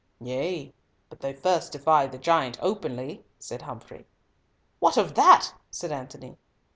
"Yea; but they first defied the giant openly," said Humfrey. "What of that?" said Antony.